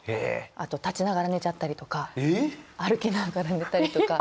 あと立ちながら寝ちゃったりとか歩きながら寝たりとか。